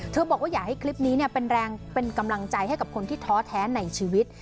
บอกว่าอยากให้คลิปนี้เป็นแรงเป็นกำลังใจให้กับคนที่ท้อแท้ในชีวิต